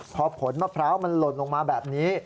พอผลมะพร้าวมันหล่นลงมาแบบนี้